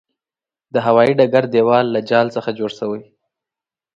د هوايې ډګر دېوال له جال څخه جوړ شوی.